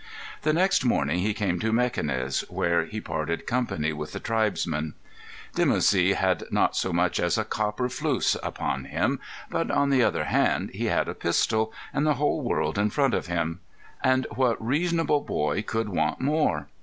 The next morning he came to Mequinez, where he parted company with the tribesmen. Dimoussi had not so much as a copper flouss upon him, but, on the other hand, he had a pistol and the whole world in front of him. And what reasonable boy could want more?